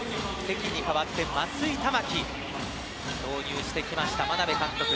関に代わって松井珠己を投入してきた眞鍋監督。